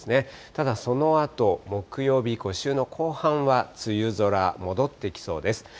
ただ、そのあと、木曜日以降、週の後半は梅雨空戻ってきそうです。